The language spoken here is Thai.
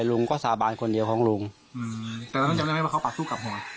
ลุงก็สาบานคนเดียวของลุงอืมแต่ต้องจำได้ไหมว่าเขาปลาสู้กับผม